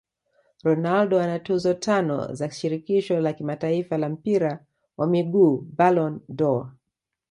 Ronaldo ana tuzo tano za shirikisho la kimataifa la mpira wa miguu Ballon dOr